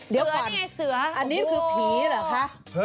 เดี๋ยวอันนี้คือผีเหรอคะ